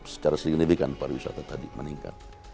secara signifikan pariwisata tadi meningkat